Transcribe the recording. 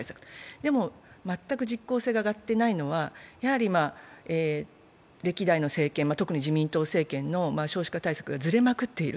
でも、全く実効性が上がっていないのは、やはり歴代の政権、特に自民党政権の少子化対策がずれまくっている。